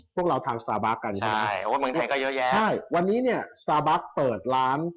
พวกเราทานสตาร์บอร์ตกันใช่ไหมใช่วันนี้เนี่ยสตาร์บอร์ตเปิดร้าน